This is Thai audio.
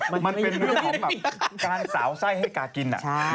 มันเป็นเรื่องของแบบการสาวไส้ให้กากิน